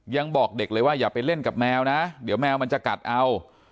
ยังบอกเด็กเลยว่าอย่าไปเล่นกับแมวนะเดี๋ยวแมวมันจะกัดเอา